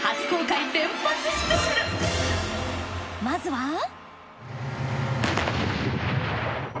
まずは。